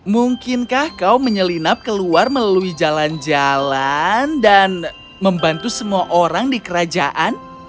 mungkinkah kau menyelinap keluar melalui jalan jalan dan membantu semua orang di kerajaan